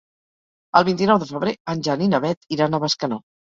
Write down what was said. El vint-i-nou de febrer en Jan i na Beth iran a Bescanó.